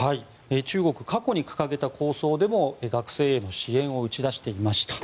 中国過去に掲げた構想でも学生への支援を打ち出していました。